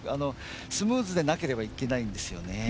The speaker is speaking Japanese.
スムーズでなければいけないんですよね。